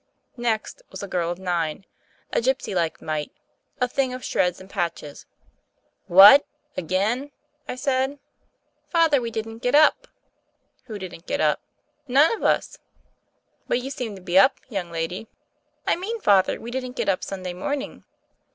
"Next" was a girl of nine — a gypsy like mite, a thing of shreds and patches. "What I Again!" I said. "Father, we didn't get up." "Who didn't get up?" "None of us." "But you seem to be up, young lady." "I mean. Father, we didn't get up Sunday morning."